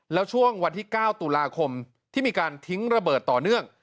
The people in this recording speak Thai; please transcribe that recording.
แล้วช่วงวันที่๙ตุลาคมที่มีการทิ้งระเบิดต่อเนื่อง